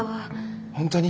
本当に！？